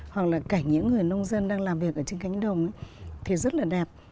hoặc là cả những người nông dân đang làm việc ở trên cánh đồng thì rất là đẹp